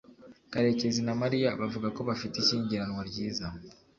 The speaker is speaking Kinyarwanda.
karekezi na mariya bavuga ko bafite ishyingiranwa ryiza